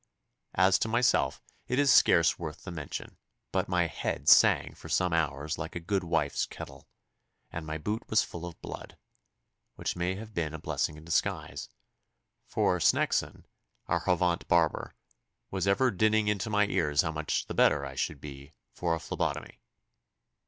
As to myself it is scarce worth the mention, but my head sang for some hours like a good wife's kettle, and my boot was full of blood, which may have been a blessing in disguise, for Sneckson, our Havant barber, was ever dinning into my ears how much the better I should be for a phlebotomy.